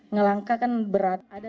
ngelangkah kan berat